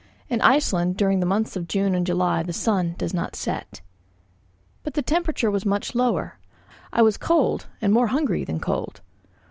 In Iceland during the months of June and July the sun does not set. But the temperature was much lower. I was cold and more hungry than cold.